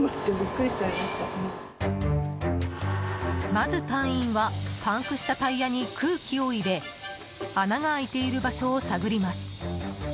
まず隊員はパンクしたタイヤに空気を入れ穴が開いている場所を探ります。